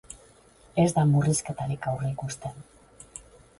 Ez da murrizketarik aurreikusten.